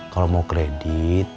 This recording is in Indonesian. kalau mau kredit